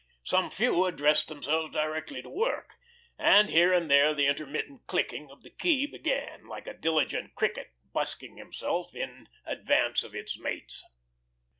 Some few addressed themselves directly to work, and here and there the intermittent clicking of a key began, like a diligent cricket busking himself in advance of its mates.